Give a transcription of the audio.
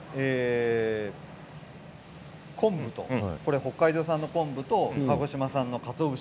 北海道産の昆布と鹿児島産のかつお節